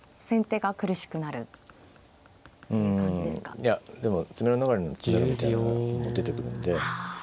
いやでも詰めろ逃れの詰めろみたいなのがもう出てくるんで。